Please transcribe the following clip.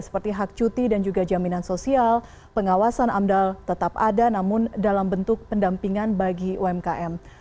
seperti hak cuti dan juga jaminan sosial pengawasan amdal tetap ada namun dalam bentuk pendampingan bagi umkm